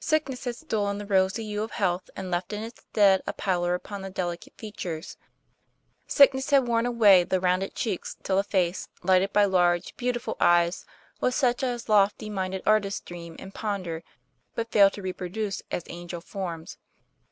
Sickness had stolen the rosy hue of health, and left in its stead a pallor upon the delicate fea tures; sickness had worn away the rounded cheeks till the face, lighted by large, beautiful eyes, was such as lofty minded artists dream and ponder, but fail to reproduce as angel forms.